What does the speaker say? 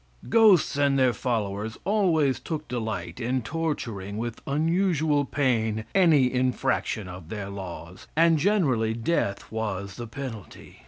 Ghosts and their followers always took delight in torturing with unusual pain any infraction of their laws, and generally death was the penalty.